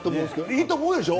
いいと思うでしょ？